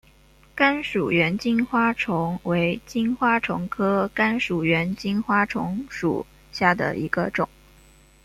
甘薯猿金花虫为金花虫科甘薯猿金花虫属下的一个种。